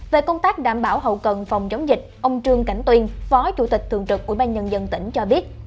về công tác đảm bảo hậu cần phòng chống dịch ông trương cảnh tuyên phó chủ tịch thường trực ubnd tỉnh cho biết